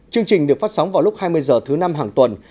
chương trình được phát sóng vào lúc hai mươi h thứ năm hàng tuần